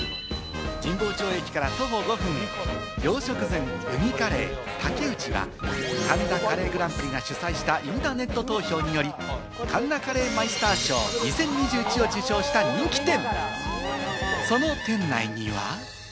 神保町駅から徒歩５分、「洋食膳海カレーＴＡＫＥＵＣＨＩ」は、神田カレークラッシュが主催したインターネット投票により神田カレーマイスター賞２０２１を受賞した人気店。